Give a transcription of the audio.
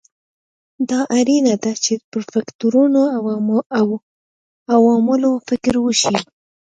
دا اړینه ده چې پر فکټورونو او عواملو فکر وشي.